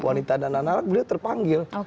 wanita dan anak anak beliau terpanggil